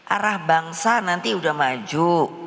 arah bangsa nanti udah maju